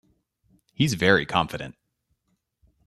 He's very confident.